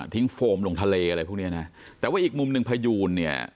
โฟมลงทะเลอะไรพวกเนี้ยนะแต่ว่าอีกมุมหนึ่งพยูนเนี่ย